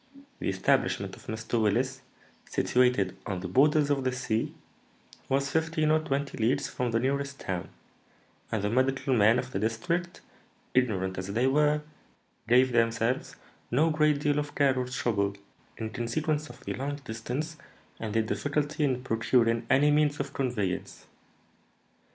The establishment of Mr. Willis, situated on the borders of the sea, was fifteen or twenty leagues from the nearest town; and the medical men of the district, ignorant as they were, gave themselves no great deal of care or trouble, in consequence of the long distance and the difficulty in procuring any means of conveyance.